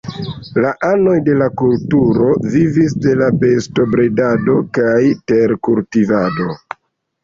La anoj de la kulturo vivis de bestobredado kaj terkultivado.